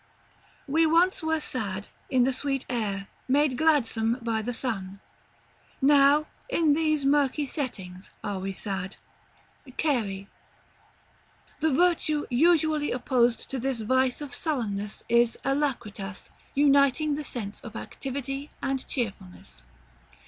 "We once were sad, In the sweet air, made gladsome by the sun, Now in these murky settlings are we sad." CARY. The virtue usually opposed to this vice of sullenness is Alacritas, uniting the sense of activity and cheerfulness.